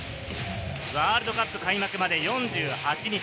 ワールドカップ開幕まで４８日。